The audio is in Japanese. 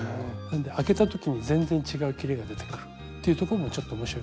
開けた時に全然違うきれが出てくるっていうところもちょっと面白いかな。